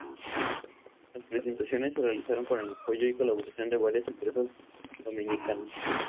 Las presentaciones se realizaron con el apoyo y colaboración de varias empresas dominicanas.